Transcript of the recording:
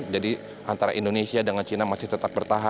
jadi antara indonesia dengan cina masih tetap bertahan